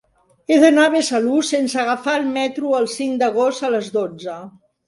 He d'anar a Besalú sense agafar el metro el cinc d'agost a les dotze.